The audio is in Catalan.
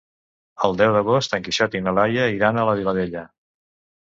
El deu d'agost en Quixot i na Laia iran a la Vilavella.